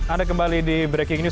anda kembali di breaking news